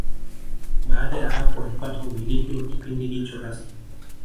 Baada ya hapo alipata umiliki wa kipindi hicho rasmi